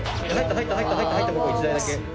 入った入ったここ１台だけ。